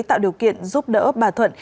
tạo điều kiện giúp đỡ bà thuận